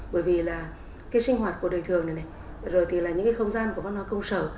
bởi vì là cái sinh hoạt của đời thường này này rồi thì là những cái không gian của văn hóa công sở